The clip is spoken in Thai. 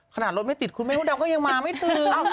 ขนาดรถไม่ติดคุณแม่มดดำก็ยังมาไม่ถึง